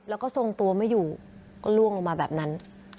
แล้วก็ทรงตัวไม่อยู่ก็ล่วงลงมาแบบนั้น